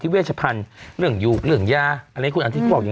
ที่เวรชพันธ์เรื่องยูเรื่องยาอะไรคุณอาธิคูยบอกอย่าง